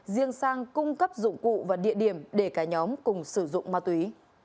riêng sang cung cấp dụng cụ và địa điểm để cả nhóm cùng sử dụng ma túy